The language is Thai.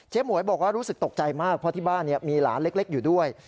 หมวยบอกว่ารู้สึกตกใจมากเพราะที่บ้านมีหลานเล็กอยู่ด้วย